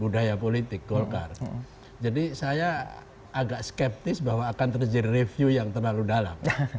budaya politik golkar jadi saya agak skeptis bahwa akan terjadi review yang terlalu dalam